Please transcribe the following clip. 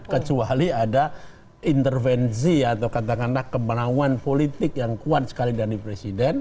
kecuali ada intervensi atau katakanlah kemauan politik yang kuat sekali dari presiden